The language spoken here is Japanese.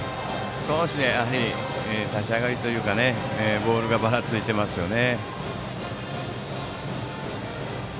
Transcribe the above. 少し立ち上がりというかボールがばらついていますね。